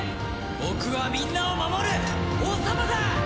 僕はみんなを守る王様だ！